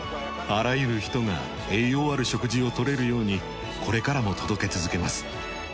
あらゆる人が栄養ある食事を取れるようにこれからも届け続けます。